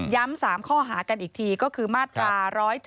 ๓ข้อหากันอีกทีก็คือมาตรา๑๗